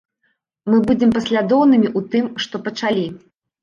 Мы будзем паслядоўнымі ў тым, што пачалі.